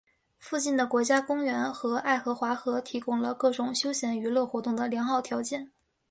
附近的国家公园和爱荷华河提供了各种休闲娱乐活动的良好条件。